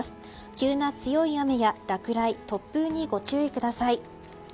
急な強い雨や落雷、突風にご注意ください。